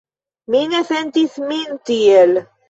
Mi ne sentis min tiel.